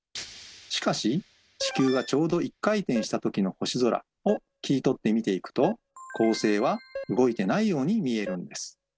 しかし地球がちょうど１回転したときの星空を切り取って見ていくと恒星は動いてないように見えるのです。